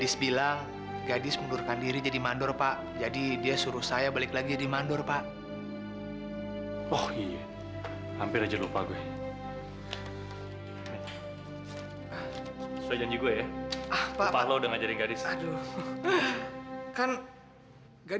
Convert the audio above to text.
sampai jumpa di video selanjutnya